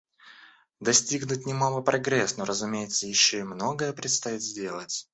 Достигнут немалый прогресс, но, разумеется, еще и многое предстоит сделать.